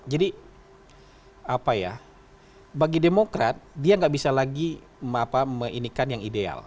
jadi apa ya bagi demokrat dia nggak bisa lagi meinikan yang ideal